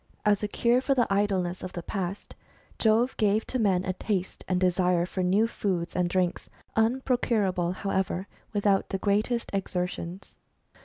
As a cure for the idleness of the past, Jove gave to men a taste and desire for new foods and drinks, unprocurable, however, without the greatest exertions.